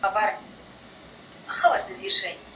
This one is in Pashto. تولیدات باید معیاري سي.